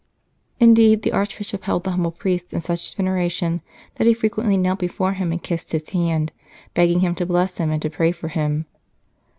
Indeed, the Archbishop held the humble priest in such venera tion that he frequently knelt before him and kissed his hand, begging him to bless him and to pray for him.